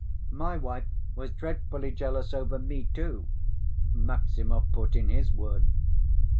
"My wife was dreadfully jealous over me, too," Maximov put in his word.